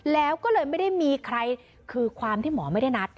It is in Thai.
แล้วก็เลยไม่ได้มีใครคือความที่หมอไม่ได้นัด